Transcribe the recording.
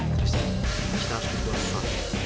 kita harus berdoa